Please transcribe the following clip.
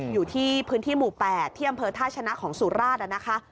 อยู่ที่พื้นที่หมู่๘ที่อำเภอท่าชนะของสุราชนะคะ